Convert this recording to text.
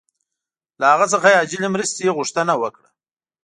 له هغه څخه یې عاجلې مرستې غوښتنه وکړه.